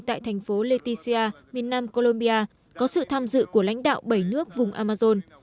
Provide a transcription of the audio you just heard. trong thành phố leticia miền nam colombia có sự tham dự của lãnh đạo bảy nước vùng amazon